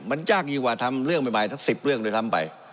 มันยากกว่าทำเรื่องหน่อยหมายถ้ากสิบเรื่องเลยทำไป